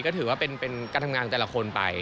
ก็ถือว่าเป็นการทำงานของแต่ละคนไป